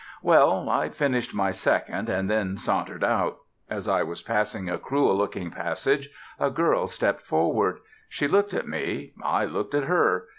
Well, I finished my second, and then sauntered out. As I was passing a cruel looking passage, a girl stepped forward. She looked at me. I looked at her.